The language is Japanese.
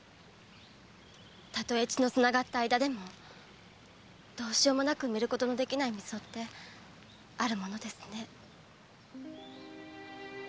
たとえ血の繋がった間でもどうしようもなく埋めることのできない溝ってあるものですね。